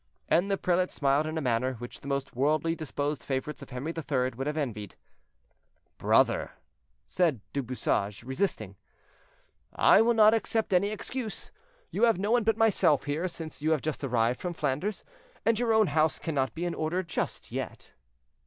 And the prelate smiled in a manner which the most worldly disposed favorites of Henri III. would have envied. "Brother," said De Bouchage, resisting. "I will not accept any excuse; you have no one but myself here, since you have just arrived from Flanders, and your own house cannot be in order just yet."